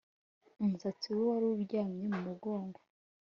Umusatsi we wari uryamye mu mugongo